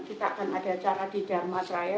kita akan ada acara di dharmasraya